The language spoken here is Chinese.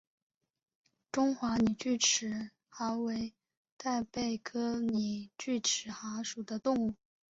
中华拟锯齿蛤为贻贝科拟锯齿蛤属的动物。